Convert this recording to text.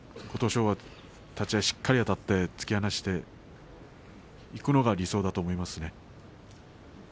琴勝峰は立ち合い、しっかりあたって、突き放していくのが理想だと思いますね。